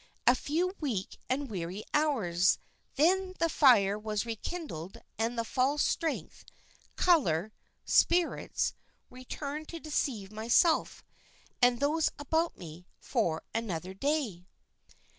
A few weak and weary hours, then the fire was rekindled and the false strength, color, spirits, returned to deceive myself, and those about me, for another day."